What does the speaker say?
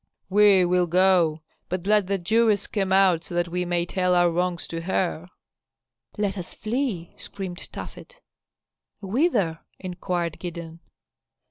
"We will go, but let the Jewess come out so that we may tell our wrongs to her." "Let us flee!" screamed Tafet. "Whither?" inquired Gideon.